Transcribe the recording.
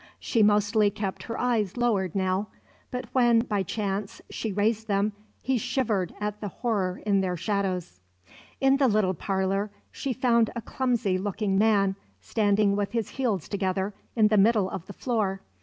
She mostly kept her eyes lowered now; but when, by chance, she raised them, he shivered at the horror in their shadows. In the little parlour she found a clumsy looking man standing with his heels together in the middle of the floor.